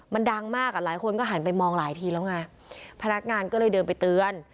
มันดังมากอ่ะหลายคนก็หันไปมองหลายทีแล้วไงพนักงานก็เลยเดินไปเตือน